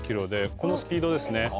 このスピードですね。